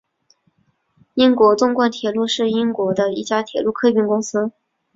英国纵贯铁路是英国的一家铁路客运公司。